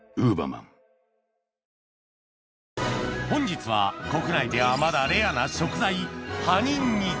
本日は国内ではまだレアな食材